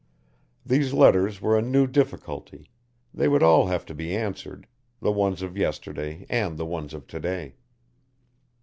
These letters were a new difficulty, they would all have to be answered, the ones of yesterday, and the ones of to day.